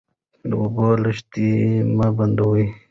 د اوبو لښتې مه بندوئ.